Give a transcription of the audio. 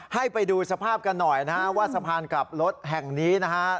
ให้ไปดูสภาพกันหน่อยนะฮะว่าสะพานกลับรถแห่งนี้นะฮะ